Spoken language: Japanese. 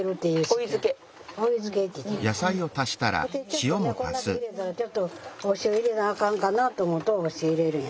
ちょっとねこんだけ入れたらちょっとお塩入れなあかんかなと思うとお塩入れるんや。